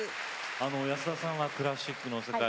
安田さんはクラシックの世界。